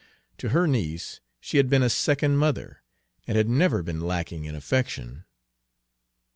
To her niece she had been a second mother, and had never been lacking in affection.